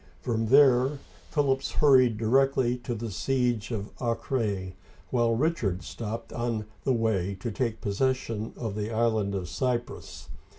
From there, Philip hurried directly to the siege of A'cre, while Richard stopped on the way to take possession of the island of Cyprus.